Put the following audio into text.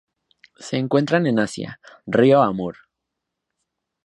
Se encuentran en Asia: río Amur.